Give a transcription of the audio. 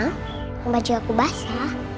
sama baju aku basah